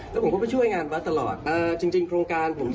และต้องมาโดนบันทรอนด้วยคำพูดของใครบางคน